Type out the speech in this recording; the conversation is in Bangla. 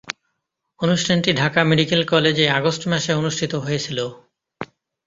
অনুষ্ঠানটি ঢাকা মেডিকেল কলেজে আগস্ট মাসে অনুষ্ঠিত হয়েছিলো।